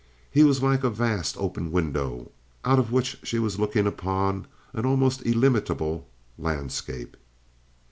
He was like a vast open window out of which she was looking upon an almost illimitable landscape.